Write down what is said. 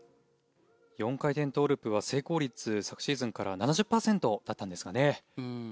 ４回転トウループは成功率昨シーズンから７０％だったんですがね。